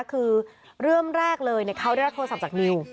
คือเริ่มแรกเลยเขาได้รับโทรศัพท์จากนิว